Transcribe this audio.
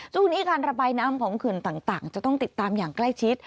ช่วงนี้การระบายน้ำของเขื่อนต่างจะต้องติดตามอย่างใกล้ชิด